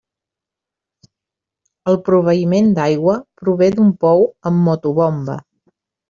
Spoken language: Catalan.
El proveïment d'aigua prové d'un pou amb motobomba.